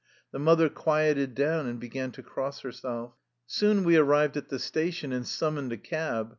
The mother quieted down, and began to cross herself. Soon we arrived at the station, and summoned a cab.